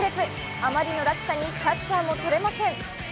あまりの落差にキャッチャーも取れません。